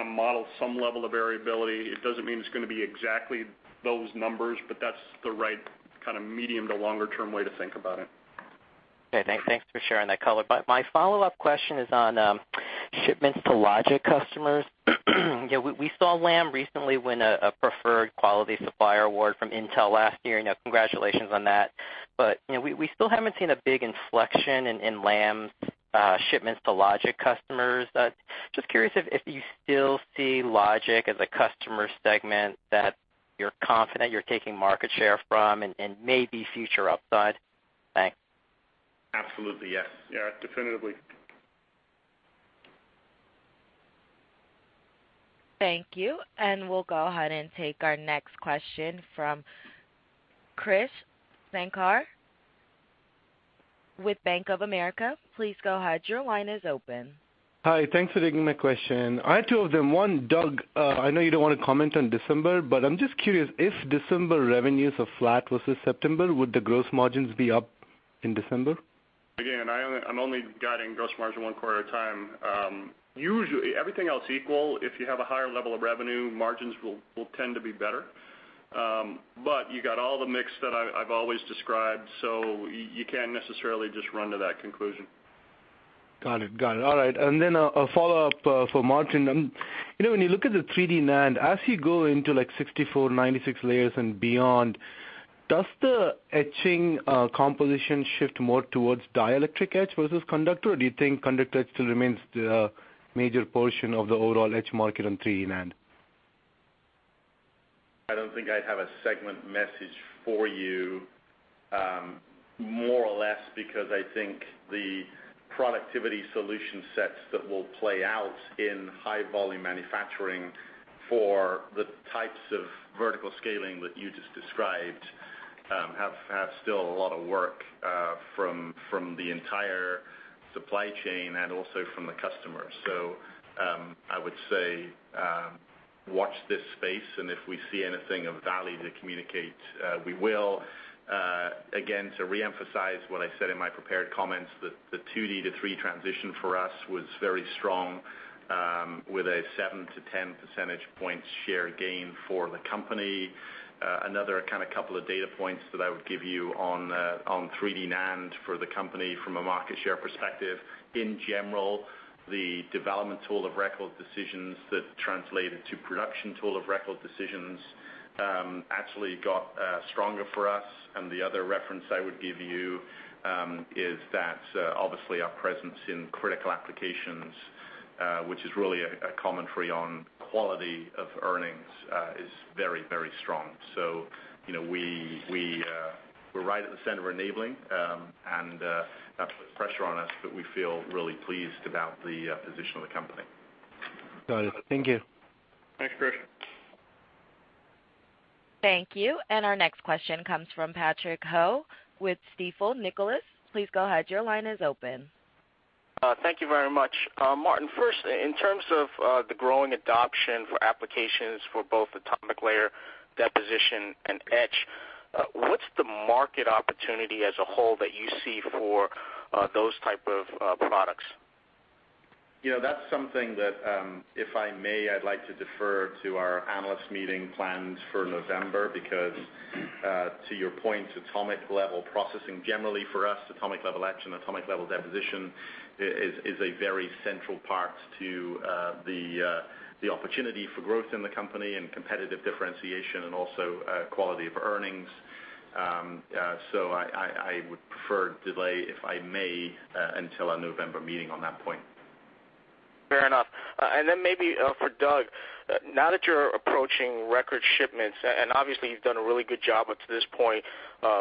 model some level of variability. It doesn't mean it's going to be exactly those numbers, but that's the right medium to longer term way to think about it. Okay, thanks for sharing that color. My follow-up question is on shipments to logic customers. We saw Lam recently win a preferred quality supplier award from Intel last year, congratulations on that. We still haven't seen a big inflection in Lam's shipments to logic customers. Just curious if you still see logic as a customer segment that you're confident you're taking market share from and maybe future upside. Thanks. Absolutely, yes. Yeah, definitively. Thank you. We'll go ahead and take our next question from Krish Sankar with Bank of America. Please go ahead. Your line is open. Hi. Thanks for taking my question. I have two of them. One, Doug, I know you don't want to comment on December, but I'm just curious if December revenues are flat versus September, would the gross margins be up in December? I'm only guiding gross margin one quarter at a time. Everything else equal, if you have a higher level of revenue, margins will tend to be better. You got all the mix that I've always described, you can't necessarily just run to that conclusion. Got it. All right. A follow-up for Martin. When you look at the 3D NAND, as you go into 64, 96 layers and beyond, does the etching composition shift more towards dielectric etch versus conductor, or do you think conductor etch still remains the major portion of the overall etch market on 3D NAND? I don't think I have a segment message for you, more or less because I think the productivity solution sets that will play out in high volume manufacturing for the types of vertical scaling that you just described, have still a lot of work from the entire supply chain and also from the customer. I would say, watch this space, if we see anything of value to communicate, we will. Again, to reemphasize what I said in my prepared comments, the 2D to 3 transition for us was very strong, with a seven to 10 percentage points share gain for the company. Another kind of couple of data points that I would give you on 3D NAND for the company from a market share perspective, in general, the development tool of record decisions that translated to production tool of record decisions, actually got stronger for us. The other reference I would give you, is that, obviously our presence in critical applications, which is really a commentary on quality of earnings, is very strong. We're right at the center of enabling, that puts pressure on us, we feel really pleased about the position of the company. Got it. Thank you. Thanks, Krish. Thank you. Our next question comes from Patrick Ho with Stifel Nicolaus. Please go ahead. Your line is open. Thank you very much. Martin, first, in terms of the growing adoption for applications for both atomic layer deposition and etch, what's the market opportunity as a whole that you see for those type of products? That's something that, if I may, I'd like to defer to our analyst meeting planned for November because, to your point, atomic layer processing, generally for us, atomic layer etch and atomic layer deposition is a very central part to the opportunity for growth in the company and competitive differentiation and also quality of earnings. I would prefer delay, if I may, until our November meeting on that point. Fair enough. Then maybe for Doug, now that you're approaching record shipments, and obviously you've done a really good job up to this point,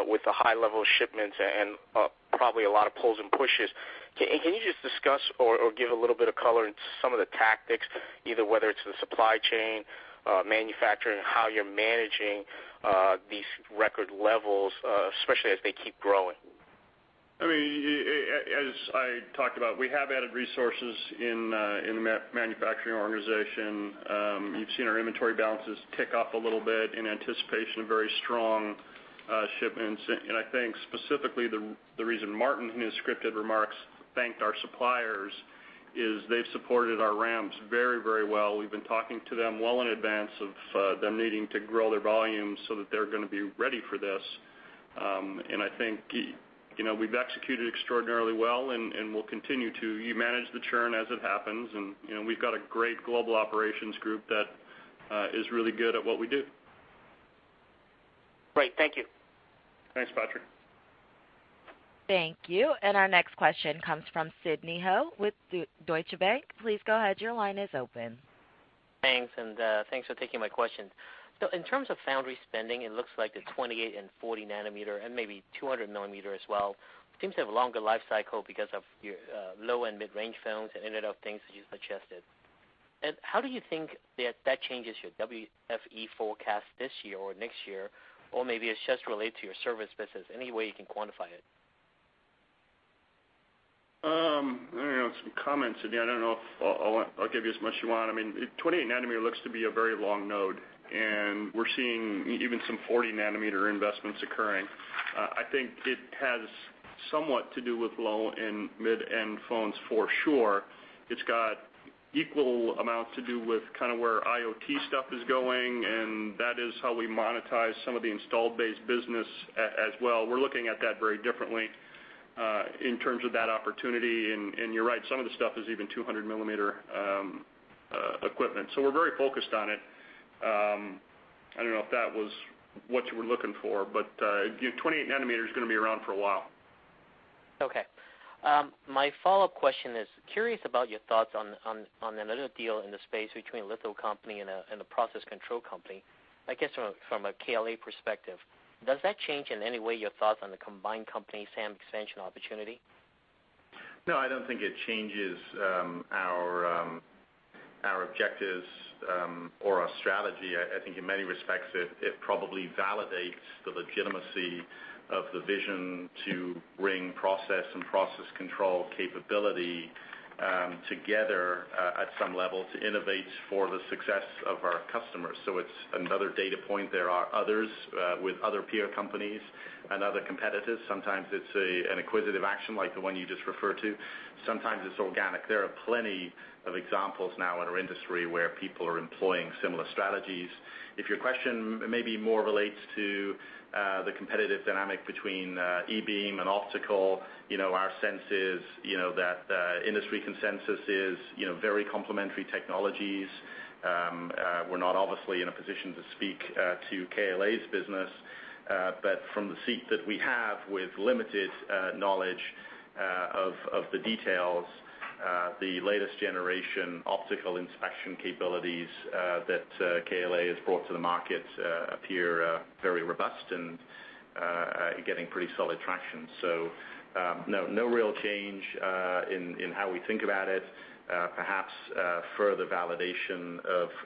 with the high level of shipments and probably a lot of pulls and pushes, can you just discuss or give a little bit of color into some of the tactics, either whether it's the supply chain, manufacturing, how you're managing these record levels, especially as they keep growing? As I talked about, we have added resources in the manufacturing organization. You've seen our inventory balances tick up a little bit in anticipation of very strong shipments. I think specifically the reason Martin, in his scripted remarks, thanked our suppliers is they've supported our ramps very well. We've been talking to them well in advance of them needing to grow their volumes so that they're going to be ready for this. I think we've executed extraordinarily well, and we'll continue to. You manage the churn as it happens, and we've got a great global operations group that is really good at what we do. Great. Thank you. Thanks, Patrick. Thank you. Our next question comes from Sidney Ho with Deutsche Bank. Please go ahead. Your line is open. Thanks, and thanks for taking my question. In terms of foundry spending, it looks like the 28 and 40 nanometer, and maybe 200 millimeter as well, seems to have a longer life cycle because of your low- and mid-range phones and Internet of Things, as you suggested. How do you think that that changes your WFE forecast this year or next year? Maybe it's just related to your service business. Any way you can quantify it? I don't know. Some comments. Again, I don't know if I'll give you as much you want. I mean, 28 nanometer looks to be a very long node, and we're seeing even some 40 nanometer investments occurring. I think it has somewhat to do with low- and mid-end phones for sure. It's got equal amounts to do with kind of where IoT stuff is going, and that is how we monetize some of the installed base business as well. We're looking at that very differently, in terms of that opportunity. You're right, some of the stuff is even 200 millimeter equipment. We're very focused on it. I don't know if that was what you were looking for, but 28 nanometer is going to be around for a while. Okay. My follow-up question is, curious about your thoughts on another deal in the space between a litho company and a process control company. I guess from a KLA perspective, does that change in any way your thoughts on the combined company SAM expansion opportunity? No, I don't think it changes our objectives or our strategy. I think in many respects it probably validates the legitimacy of the vision to bring process and process control capability together at some level to innovate for the success of our customers. It's another data point. There are others with other peer companies and other competitors. Sometimes it's an acquisitive action like the one you just referred to. Sometimes it's organic. There are plenty of examples now in our industry where people are employing similar strategies. If your question maybe more relates to the competitive dynamic between E-beam and optical, our sense is that the industry consensus is very complementary technologies. We're not obviously in a position to speak to KLA's business. From the seat that we have with limited knowledge of the details, the latest generation optical inspection capabilities that KLA has brought to the market appear very robust and getting pretty solid traction. No real change in how we think about it. Perhaps further validation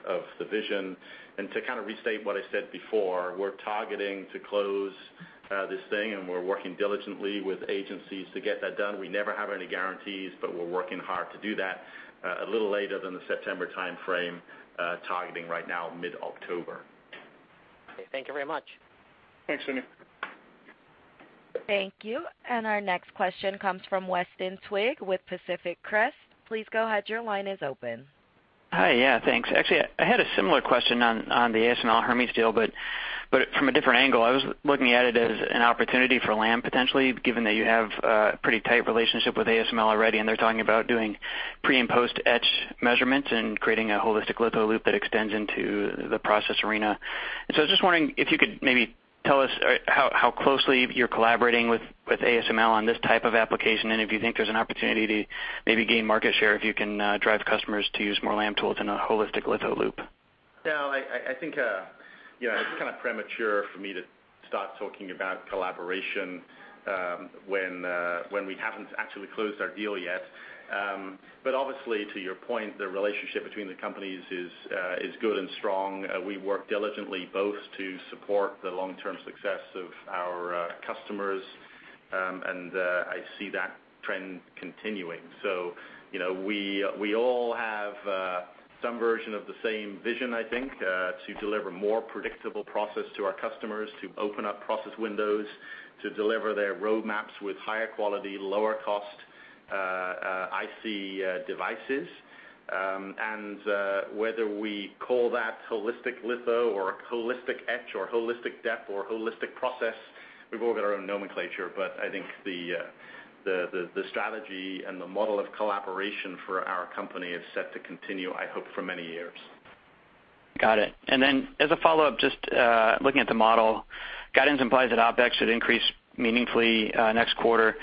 of the vision. To kind of restate what I said before, we're targeting to close this thing, and we're working diligently with agencies to get that done. We never have any guarantees, but we're working hard to do that a little later than the September timeframe, targeting right now mid-October. Okay, thank you very much. Thanks, Sidney. Thank you. Our next question comes from Weston Twigg with Pacific Crest. Please go ahead. Your line is open. Hi. Yeah, thanks. Actually, I had a similar question on the ASML Hermes deal, but from a different angle. I was looking at it as an opportunity for Lam, potentially, given that you have a pretty tight relationship with ASML already, and they're talking about doing pre- and post-etch measurements and creating a holistic litho loop that extends into the process arena. I was just wondering if you could maybe tell us how closely you're collaborating with ASML on this type of application, and if you think there's an opportunity to maybe gain market share if you can drive customers to use more Lam tools in a holistic litho loop. I think it's kind of premature for me to start talking about collaboration when we haven't actually closed our deal yet. Obviously, to your point, the relationship between the companies is good and strong. We work diligently both to support the long-term success of our customers, and I see that trend continuing. We all have some version of the same vision, I think, to deliver more predictable process to our customers, to open up process windows, to deliver their roadmaps with higher quality, lower cost IC devices. Whether we call that holistic litho or holistic etch or holistic dep or holistic process, we've all got our own nomenclature. I think the strategy and the model of collaboration for our company is set to continue, I hope, for many years. As a follow-up, just looking at the model, guidance implies that OpEx should increase meaningfully next quarter.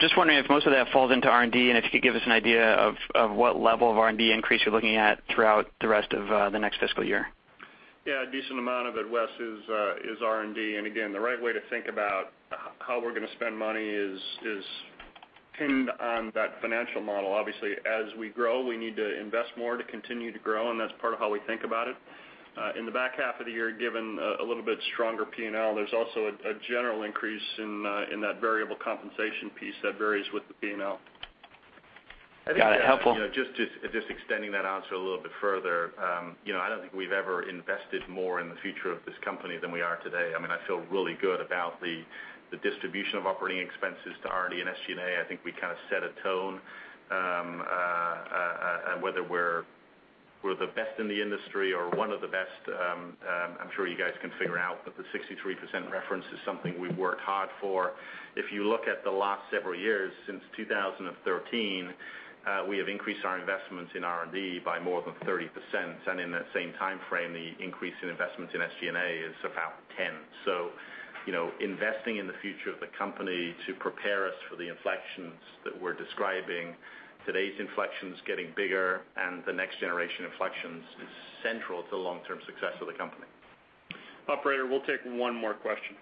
Just wondering if most of that falls into R&D, and if you could give us an idea of what level of R&D increase you're looking at throughout the rest of the next fiscal year. Yeah, a decent amount of it, Wes, is R&D. Again, the right way to think about how we're going to spend money is pinned on that financial model. Obviously, as we grow, we need to invest more to continue to grow, and that's part of how we think about it. In the back half of the year, given a little bit stronger P&L, there's also a general increase in that variable compensation piece that varies with the P&L. Got it. Helpful. Just extending that answer a little bit further. I don't think we've ever invested more in the future of this company than we are today. I feel really good about the distribution of operating expenses to R&D and SG&A. I think we kind of set a tone, whether we're the best in the industry or one of the best. I'm sure you guys can figure out, but the 63% reference is something we've worked hard for. If you look at the last several years, since 2013, we have increased our investments in R&D by more than 30%. In that same timeframe, the increase in investments in SG&A is about 10. Investing in the future of the company to prepare us for the inflections that we're describing, today's inflection is getting bigger, and the next generation inflections is central to the long-term success of the company. Operator, we'll take one more question.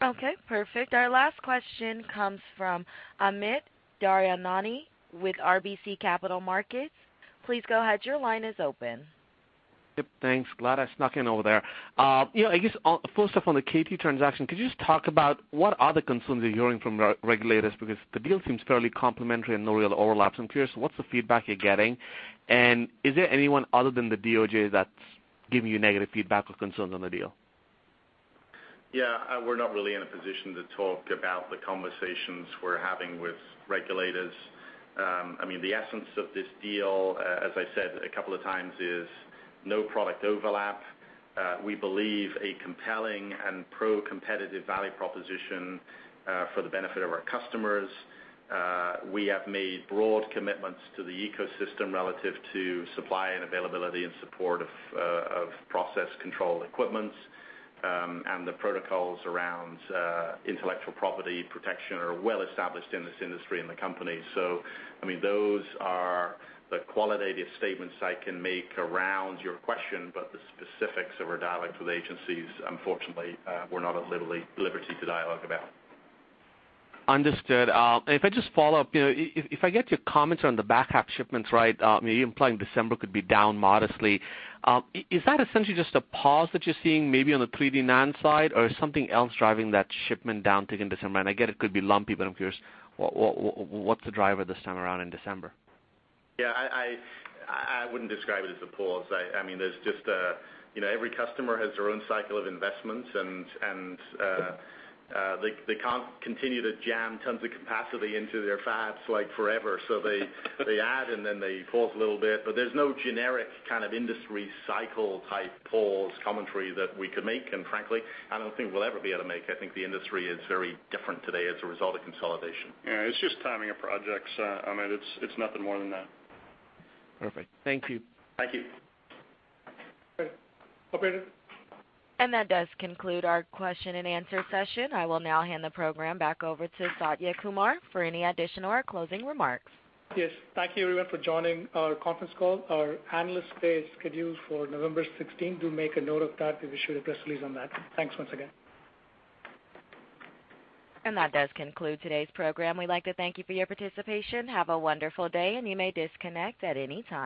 Okay, perfect. Our last question comes from Amit Daryanani with RBC Capital Markets. Please go ahead. Your line is open. Yep, thanks. Glad I snuck in over there. I guess, first off, on the KT transaction, could you just talk about what are the concerns you're hearing from regulators? Because the deal seems fairly complementary and no real overlaps. I'm curious, what's the feedback you're getting, and is there anyone other than the DOJ that's giving you negative feedback or concerns on the deal? Yeah. We're not really in a position to talk about the conversations we're having with regulators. The essence of this deal, as I said a couple of times, is no product overlap. We believe a compelling and pro-competitive value proposition for the benefit of our customers. We have made broad commitments to the ecosystem relative to supply and availability in support of process control equipments, and the protocols around intellectual property protection are well established in this industry and the company. Those are the qualitative statements I can make around your question, but the specifics of our dialogue with agencies, unfortunately, we're not at liberty to dialogue about. Understood. If I just follow up, if I get your comments on the back half shipments right, you're implying December could be down modestly. Is that essentially just a pause that you're seeing maybe on the 3D NAND side, or is something else driving that shipment down again in December? I get it could be lumpy, but I'm curious, what's the driver this time around in December? Yeah, I wouldn't describe it as a pause. Every customer has their own cycle of investments, and they can't continue to jam tons of capacity into their fabs forever. They add, and then they pause a little bit. There's no generic kind of industry cycle type pause commentary that we could make, and frankly, I don't think we'll ever be able to make. I think the industry is very different today as a result of consolidation. Yeah, it's just timing of projects, Amit. It's nothing more than that. Perfect. Thank you. Thank you. Okay. Operator? That does conclude our question and answer session. I will now hand the program back over to Satya Kumar for any additional or closing remarks. Yes. Thank you everyone for joining our conference call. Our analyst day is scheduled for November 16th. Do make a note of that. We will issue a press release on that. Thanks once again. That does conclude today's program. We'd like to thank you for your participation. Have a wonderful day, and you may disconnect at any time.